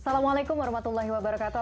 assalamualaikum warahmatullahi wabarakatuh